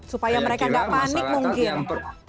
supaya mereka nggak panik mungkin